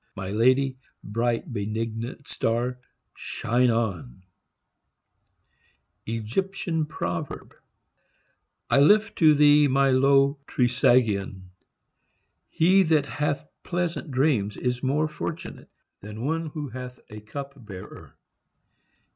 My lady, bright benignant star, shine on I lift to thee my low Trisagion! HE that hath pleasant dreams is more fortunate than one who hath a cup bearer.